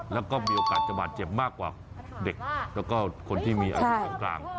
แล้วก็มีโอกาสจะบาดเจ็บมากกว่าเด็กแล้วก็คนที่มีอาวุธของกลาง